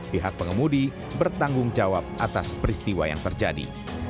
pihak pengemudi bertanggung jawab atas peristiwa yang terjadi